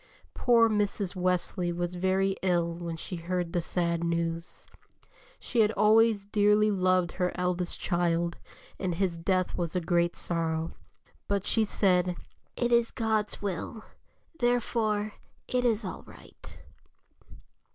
Poor Mrs. Wesley was very ill when she heard the sad news. She had always dearly loved her eldest child, and his death was a great sorrow. But she said: "It is God's will, therefore it is all right."